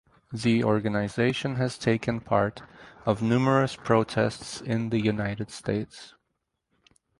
The organization has taken part of numerous protests in the United States.